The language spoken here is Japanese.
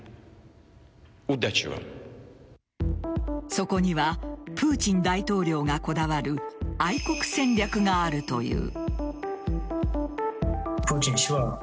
そこにはプーチン大統領がこだわる愛国戦略があるという。